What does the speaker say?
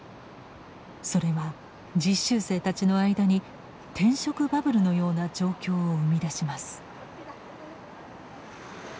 それは実習生たちの間に転職バブルのような状況を生み出します。